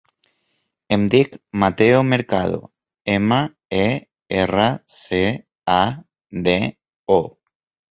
Em dic Mateo Mercado: ema, e, erra, ce, a, de, o.